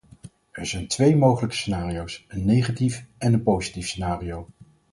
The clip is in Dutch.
Er zijn twee mogelijke scenario's: een negatief en een positief scenario.